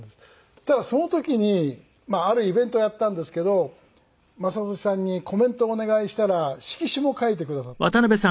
そしたらその時にまああるイベントをやったんですけど雅俊さんにコメントお願いしたら色紙も書いてくださったんです去年。